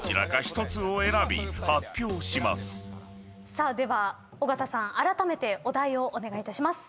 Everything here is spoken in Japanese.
さあでは尾形さんあらためてお題をお願いいたします。